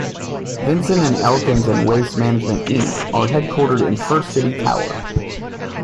Vinson and Elkins and Waste Management, Inc are headquartered in First City Tower.